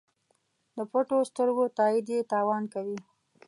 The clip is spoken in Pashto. د پټو سترګو تایید یې تاوان کوي.